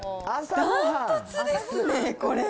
断トツですね、これ。